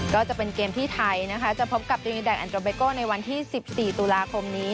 ก็จะเป็นเกมที่ไทยนะคะจะพบกับดินแดนอันโดเบโก้ในวันที่๑๔ตุลาคมนี้